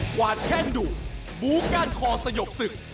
วาดแข้งดูบูก้านคอสยบศึก